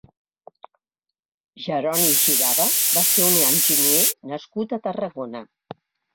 Jeroni Girava va ser un enginyer nascut a Tarragona.